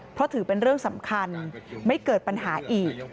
เพราะถือเป็นเรื่องสำคัญไม่เกิดปัญหาอีก